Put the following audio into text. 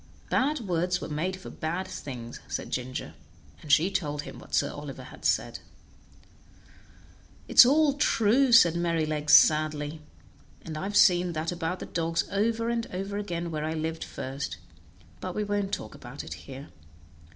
"Bad words were made for bad things," said Ginger, and she told him what Sir Oliver had said. "It is all true," said Merrylegs sadly, "and I've seen that about the dogs over and over again where I lived first; but we won't talk about it here.